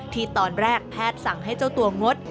ที่ตอนแรกแพทย์สั่งให้เจ้าตัวงด